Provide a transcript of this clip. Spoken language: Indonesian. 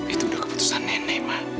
itu udah keputusan nenek ma